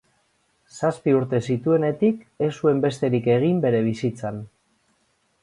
Zazpi urte zituenetik ez zuen besterik egin bere bizitzan.